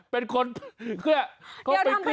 เป็นคนเพื่อ